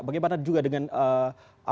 bagaimana juga dengan usaha usaha yang lainnya